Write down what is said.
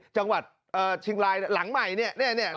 จังหวัดเชียงรายหลังใหม่เนี่ย